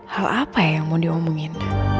hal apa yang mau diomongin